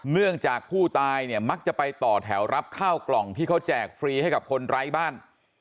เนื่องจากผู้ตายเนี่ยมักจะไปต่อแถวรับข้าวกล่องที่เขาแจกฟรีให้กับคนไร้บ้าน